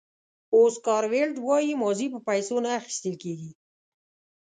اوسکار ویلډ وایي ماضي په پیسو نه اخیستل کېږي.